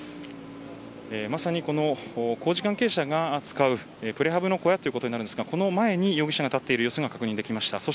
まさに、工事関係者が使うプレハブの小屋ですがこの前に容疑者が立っている様子が確認できました。